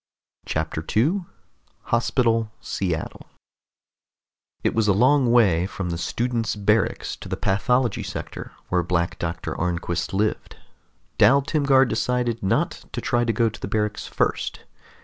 CHAPTER 2 HOSPITAL SEATTLE It was a long way from the students' barracks to the pathology sector where Black Doctor Arnquist lived. Dal Timgar decided not to try to go to the barracks first.